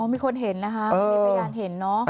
มีคนเห็นนะคะมีพยานเห็นเนอะ